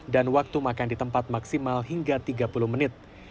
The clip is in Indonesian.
dan waktu makan di tempat maksimal hingga tiga puluh menit